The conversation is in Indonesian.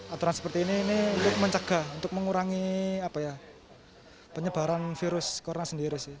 aturan seperti ini ini untuk mencegah untuk mengurangi penyebaran virus corona sendiri sih